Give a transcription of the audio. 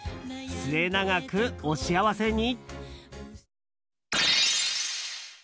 末永く、お幸せに！